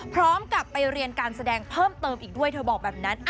พร้อมกับไปเรียนการแสดงเพิ่มเติมอีกด้วยเธอบอกแบบนั้น